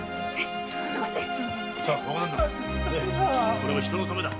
これも人のためだ。